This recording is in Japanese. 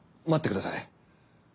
待ってください。